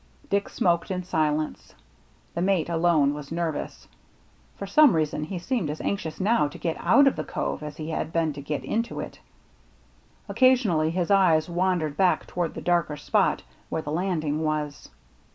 Dick smoked in silence. The mate alone was nervous. For some reason he seemed as anxious now to get out of the Cove as he had been to get into it. Occasionally his eyes wandered back toward the darker spot where the landing was.